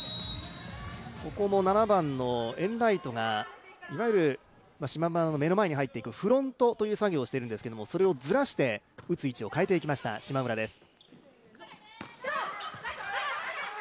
ここも７番のエンライトが島村の目の前に入っていくフロントという作業をしているんですけどそれをずらして打つ位置を変えていきました、島村です。